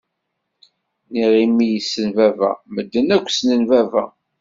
Neɣ imi yessen baba? Medden akk snen baba.